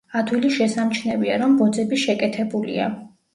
ადვილი შესამჩნევია, რომ ბოძები შეკეთებულია.